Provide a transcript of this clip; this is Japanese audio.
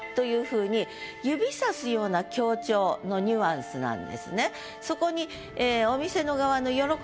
ふうに指差すような強調のニュアンスなんですね。